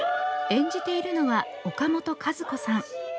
演じているのは、岡本和子さん。